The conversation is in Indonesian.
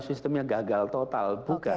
sistem yang gagal total